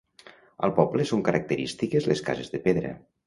Al poble són característiques les cases de pedra.